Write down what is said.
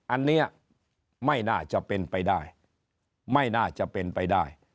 อันนี้ไม่น่าจะเป็นไปได้ไม่น่าจะเป็นไปได้